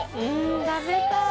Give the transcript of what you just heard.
食べたい。